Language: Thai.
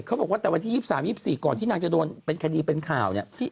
เขาบอกว่าแต่วันที่๒๓๒๔ก่อนที่นางจะโดนเป็นคดีเป็นข่าวเนี่ย